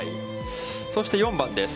そして４番です。